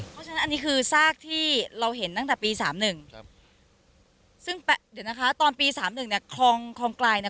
เพราะฉะนั้นอันนี้คือซากที่เราเห็นตั้งแต่ปี๓๑ครับซึ่งเดี๋ยวนะคะตอนปีสามหนึ่งเนี่ยคลองคลองไกลเนี่ย